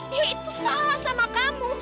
dia itu salah sama kamu